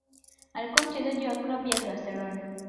Alikuwa mchezaji wa klabu ya Barcelona